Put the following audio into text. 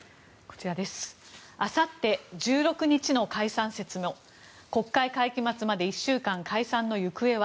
あさって、１６日の解散説も国会会期末まで１週間解散の行方は。